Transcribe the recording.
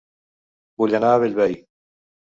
Vull anar a Bellvei